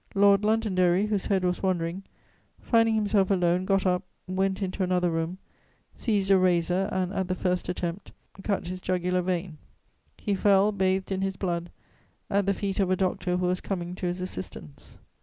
Lord Londonderry, whose head was wandering, finding himself alone, got up, went into another room, seized a razor and, at the first attempt, cut his jugular vein. He fell bathed in his blood, at the feet of a doctor who was coming to his assistance.